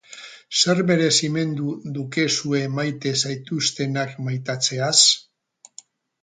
Zer merezimendu dukezue maite zaituztenak maitatzeaz?